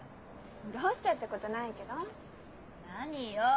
「どうして」ってことないけど。何よ？